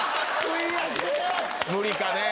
無理かね？